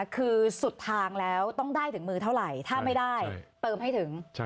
คือสุดทางแล้วต้องได้ถึงมือเท่าไหร่ถ้าไม่ได้เติมให้ถึง